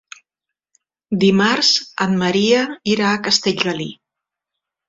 Dimarts en Maria irà a Castellgalí.